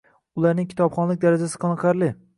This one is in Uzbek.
Ularning kitobxonlik darajasi qoniqarli.